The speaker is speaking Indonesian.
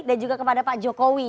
dan juga kepada pak jokowi